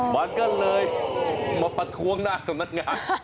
มันก็เลยมาประท้วงหน้าสำนักงาน